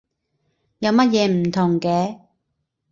有乜嘢唔同嘅？